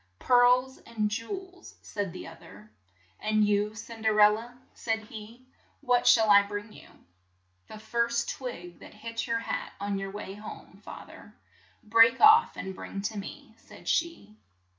"Pearls and jew els," said the oth er. "And you, Cin .der el la, " said he, "what shall I bring you?" "The first twig that hits your hat on your way home, fa ther, break off and bring to me," said she.